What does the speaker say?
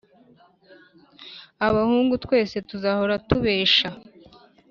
Abahungu twese tuzahora tubesha